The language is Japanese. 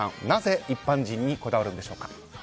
なぜ一般人にこだわるんでしょうか。